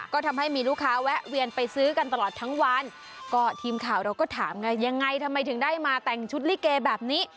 ก็ทำให้มีลูกค้าแวะเวียนไปซื้อกันตลอดทั้งวันก็ทีมข่าวเราก็ถามไงยังไงทำไมถึงได้มาแต่งชุดลิเกแบบนี้